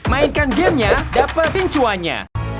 mainkan gamenya dapet pincuannya